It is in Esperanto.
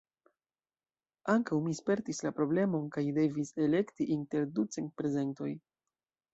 Ankaŭ mi spertis la problemon, kaj devis elekti inter ducent prezentoj.